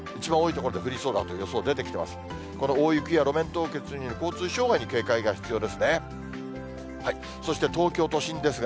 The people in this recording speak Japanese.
この大雪や路面凍結による交通障害に警戒が必要ですね。